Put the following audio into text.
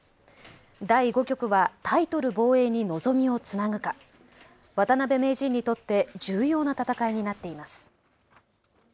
第５局はタイトル防衛に望みをつなぐか、渡辺名人にとって重要な戦いになっています。